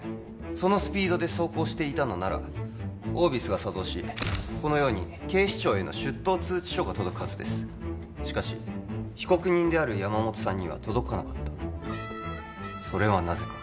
そのスピードで走行していたのならオービスが作動しこのように警視庁への出頭通知書が届くはずですしかし被告人である山本さんには届かなかったそれはなぜか？